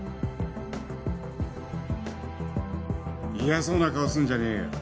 嫌そうな顔すんじゃねえよ。